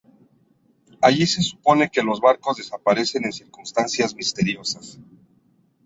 Allí se supone que los barcos desaparecen en circunstancias misteriosas.